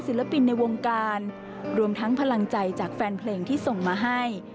ปินในวงการรวมทั้งพลังใจจากแฟนเพลงที่ส่งมาให้